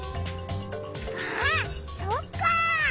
あっそっか！